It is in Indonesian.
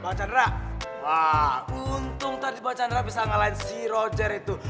bang chandra wah untung tadi bang chandra bisa ngalahin si roger itu